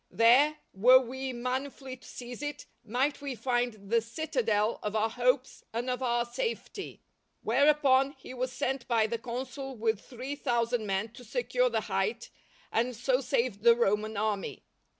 There, were we manfully to seize it, might we find the citadel of our hopes and of our safety._" Whereupon, he was sent by the consul with three thousand men to secure the height, and so saved the Roman army.